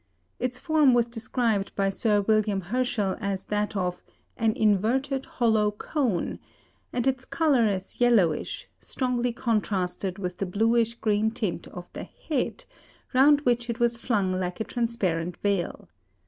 Its form was described by Sir William Herschel as that of "an inverted hollow cone," and its colour as yellowish, strongly contrasted with the bluish green tint of the "head," round which it was flung like a transparent veil.